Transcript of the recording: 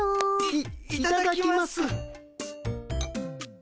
いいただきます。